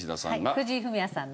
藤井フミヤさんの。